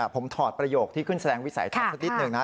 ผมถอดประโยคที่ขึ้นแสดงวิสัยทัศน์สักนิดหนึ่งนะ